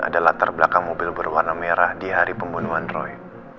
ada latar belakang mobil berwarna merah di hari pembunuhan roy